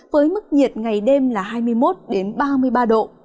với mức nhiệt ngày đêm là hai mươi một ba mươi ba độ